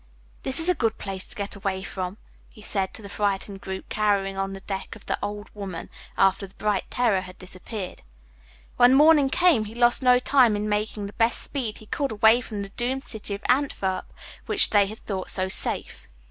"This is a good place to get away from," he said to the frightened group cowering on the deck of the "Old Woman" after the bright terror had disappeared. When morning came he lost no time in making the best speed he could away from the doomed city of Antwerp which they had thought so safe.